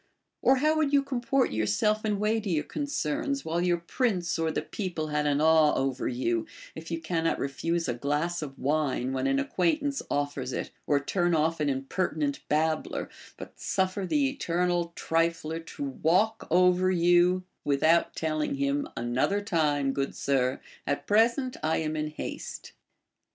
Or how would you comport yourself in weightier concerns, Avhile youi prince or the people had an awe over you, if you cannot refuse a glass of wine when an acquaintance offers it, or turn off an impertinent babbler, but suffer the eternal trifler to Avalk over you without telling him, Another time, good sir, at present I am in haste.